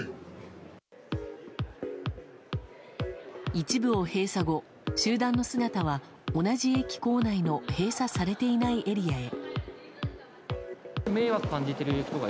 一部を閉鎖後集団の姿は同じ駅構内の閉鎖されていないエリアへ。